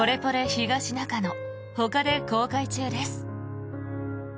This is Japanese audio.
東中野ほかで公開中です。